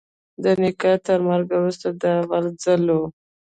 د نيکه تر مرگ وروسته دا اول ځل و.